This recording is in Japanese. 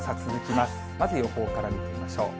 まず予報から見ていきましょう。